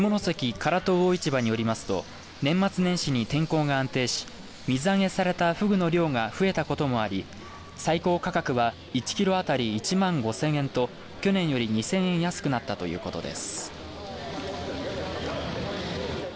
唐戸魚市場によりますと年末年始に天候が安定し水揚げされたふぐの量が増えたこともあり最高価格は１キロ当たり１万５０００円と去年より２０００円安くなったということです。